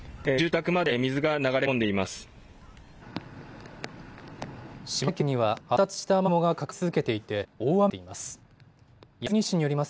住宅まで水が流れ込んでいます。